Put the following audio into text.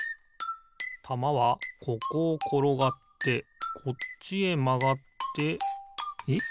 たまはここをころがってこっちへまがってえっ？